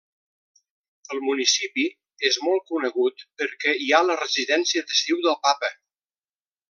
El municipi és molt conegut perquè hi ha la residència d'estiu del papa.